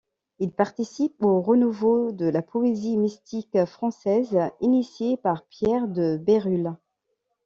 Il participe au renouveau de la poésie mystique française, initié par Pierre de Bérulle.